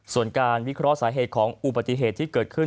ส่วนการวิเคราะห์สาเหตุของอุบัติเหตุที่เกิดขึ้น